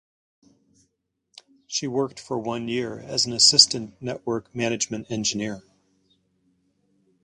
She worked for one year as an Assistant Network Management Engineer.